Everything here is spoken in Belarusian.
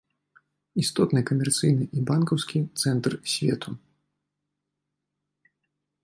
Істотны камерцыйны і банкаўскі цэнтр свету.